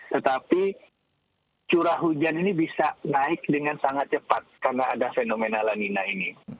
tetapi curah hujan ini bisa naik dengan sangat cepat karena ada fenomena lanina ini